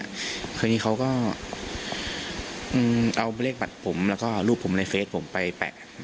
คราวนี้เขาก็เอาเลขบัตรผมแล้วก็รูปผมในเฟสผมไปแปะ